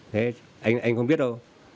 thế anh không biết đâu